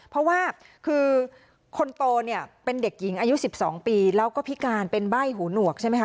เพราะว่าคือคนโตเนี่ยเป็นเด็กหญิงอายุ๑๒ปีแล้วก็พิการเป็นใบ้หูหนวกใช่ไหมคะ